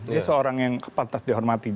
dia seorang yang pantas dihormati